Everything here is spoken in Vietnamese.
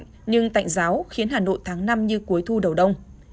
thời tiết xe lạnh tạnh giáo khiến hà nội tháng năm như cuối thu đầu đông